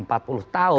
empat puluh tahun